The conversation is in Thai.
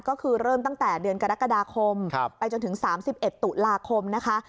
ก็คือเริ่มตั้งแต่เดือนกรกฎาคมไปจนถึง๓๑ตุลาคมนะคะ